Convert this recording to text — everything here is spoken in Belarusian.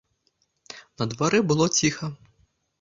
На дварэ было ціха.